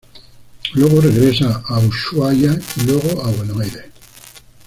Luego regresa a Ushuaia y luego a Buenos Aires.